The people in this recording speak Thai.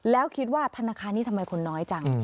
แล้วคิดว่าธนาคารนี้ทำไมคนน้อยจัง